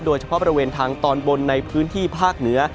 โดยเฉพาะบริเวณทางตอนบนในพื้นที่ภาคเหนือ